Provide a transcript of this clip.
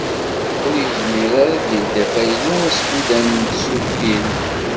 Ur yezmir ara ad d-yeldi afaylu askudan n tsuqilt.